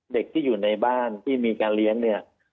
เด็กที่อยู่ในบ้านที่มีการเลี้ยงเนี่ย